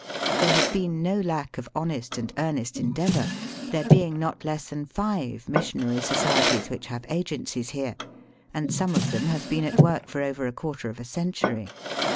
There has been no lack of honest and earnest endeavour, there being not less than five missionary societies which have agencies here, and some of them have been at work for over a quarter of a century.